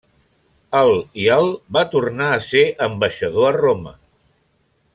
El i el va tornar a ser ambaixador a Roma.